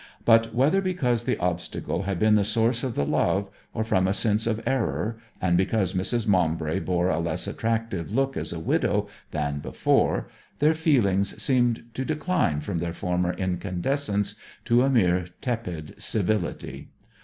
But whether because the obstacle had been the source of the love, or from a sense of error, and because Mrs. Maumbry bore a less attractive look as a widow than before, their feelings seemed to decline from their former incandescence to a mere tepid civility.